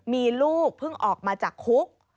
มีลูกเพิ่งออกมาจากคุก